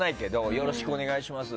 よろしくお願いします。